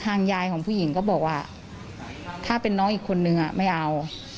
ยายของผู้หญิงก็บอกว่าถ้าเป็นน้องอีกคนนึงไม่เอา